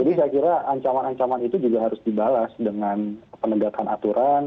jadi saya kira ancaman ancaman itu juga harus dibalas dengan penegakan aturan